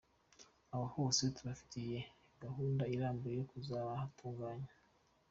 Aho hose tuhafitiye gahunda irambuye yo kuzahatunganya.